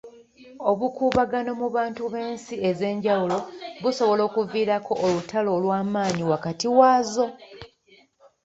Obukuubagano mu bantu b'ensi ez'enjawulo bussobola okuviirako olutalo olw'amaanyi wakati waazo.